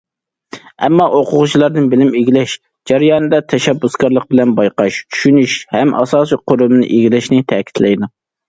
ئەمما، ئوقۇغۇچىلاردىن بىلىم ئىگىلەش جەريانىدا تەشەببۇسكارلىق بىلەن بايقاش، چۈشىنىش ھەم ئاساسىي قۇرۇلمىنى ئىگىلەشنى تەكىتلەيدۇ.